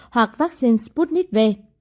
hoặc vaccine sputnik v